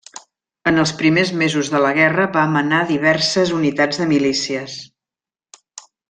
En els primers mesos de la guerra va manar diverses unitats de milícies.